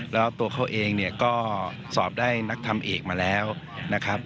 แล้วตัวเขาเองเนี่ยก็สอบได้นักทำเอกมาแล้วนะครับ